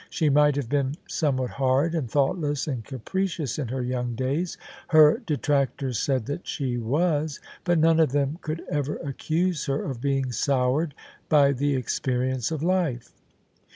She might have been some what hard and thoughtless and capricious in her young days : her detractors said thjit she was: but none of them could ever accuse her of being soured by the experience of life.